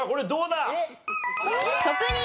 どうだ？